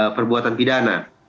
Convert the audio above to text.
sebuah perbuatan pidana